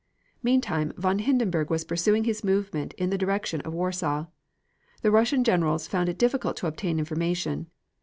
Meantime von Hindenburg was pursuing his movement in the direction of Warsaw. The Russian generals found it difficult to obtain information.